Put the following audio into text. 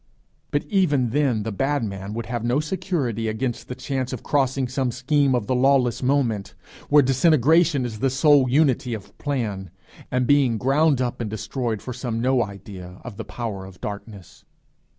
But even then the bad man would have no security against the chance of crossing some scheme of the lawless moment, where disintegration is the sole unity of plan, and being ground up and destroyed for some no idea of the Power of darkness.